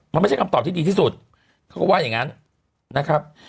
มันไม่ใช่คำตอบที่ดีที่สุดเขาก็ว่าอย่างนั้นนะครับ